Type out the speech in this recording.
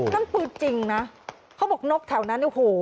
นั่นคือจริงนะเขาบอกนกแถวนั้นโอ้โห